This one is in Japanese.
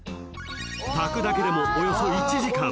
［炊くだけでもおよそ１時間］